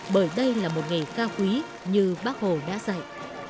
bởi đây là một nghề cao quý như bác hồ đã dạy